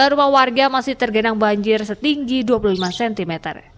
dua rumah warga masih tergenang banjir setinggi dua puluh lima cm